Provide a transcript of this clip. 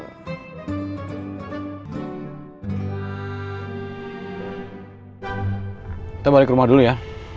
kita balik ke rumah dulu ya